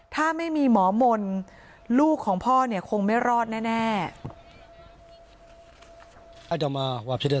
ถ้าไม่มีหมอมนต์ลูกของพ่อเนี่ยคงไม่รอดแน่